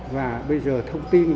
và bây giờ thông tin